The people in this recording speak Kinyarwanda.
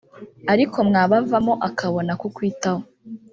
ariko mwabavamo akabona kukwitaho